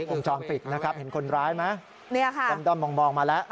วงจรปิดนะครับเห็นคนร้ายไหมด้อมมองมาแล้ว